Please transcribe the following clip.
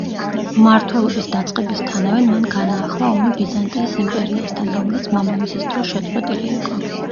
მმართველობის დაწყებისთანავე, მან განაახლა ომი ბიზანტიის იმპერიასთან, რომელიც მამამისის დროს შეწყვეტილი იყო.